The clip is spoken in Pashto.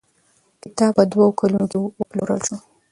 کتاب په دوو کلونو کې وپلورل شو.